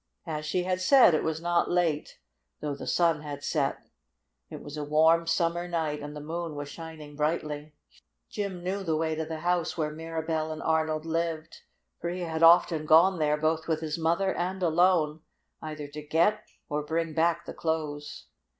As she had said, it was not late, though the sun had set. It was a warm, summer night, and the moon was shining brightly. Jim knew the way to the house where Mirabell and Arnold lived, for he had often gone there both with his mother and alone, either to get or bring back the clothes.